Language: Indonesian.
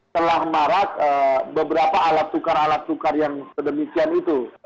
telah marak beberapa alat tukar alat tukar yang sedemikian itu